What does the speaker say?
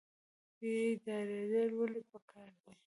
بیداریدل ولې پکار دي؟